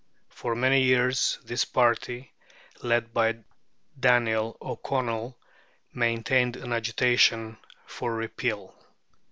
For many years this party, led by Daniel O'Connell, maintained an agitation for Repeal.